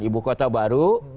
ibu kota baru